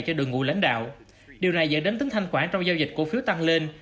cho đội ngũ lãnh đạo điều này dẫn đến tính thanh khoản trong giao dịch cổ phiếu tăng lên